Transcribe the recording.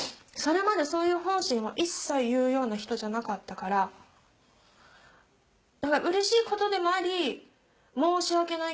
それまでそういう本心を一切言うような人じゃなかったからうれしいことでもあり申し訳